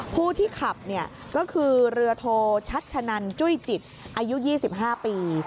ผู้ที่ขับก็คือเรือโทชัชชะนันจุ้ยจิตอายุ๒๕ปี